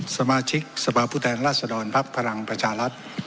สมาชิกสภาพผู้แทนราชดรภักดิ์พลังประชารัฐ